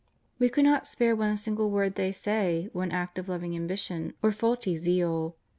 We could not spare one single word they say, one act of loving ambition, or faulty zeal.